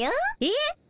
えっ！